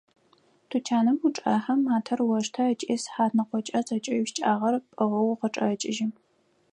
Тучаным учӏэхьэ, матэр оштэ ыкӏи сыхьатныкъокӏэ зэкӏэ уищыкӏагъэр пӏыгъэу укъычӏэкӏыжьы.